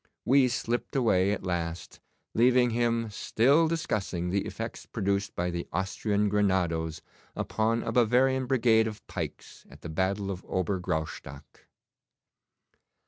We slipped away at last, leaving him still discussing the effects produced by the Austrian grenadoes upon a Bavarian brigade of pikes at the battle of Ober Graustock.